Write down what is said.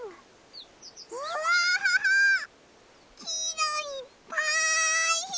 うわきいろいっぱい！